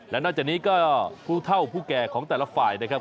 และนอกจากนี้ก็ผู้เท่าผู้แก่ของแต่ละฝ่ายนะครับ